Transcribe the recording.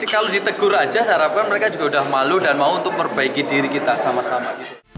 kalau ditegur aja saya harapkan mereka juga sudah malu dan mau untuk perbaiki diri kita sama sama